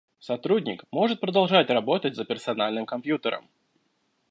Сотрудник может продолжать работать за персональным компьютером